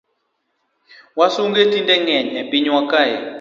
Wasunge tinde ngeny e pinywa kae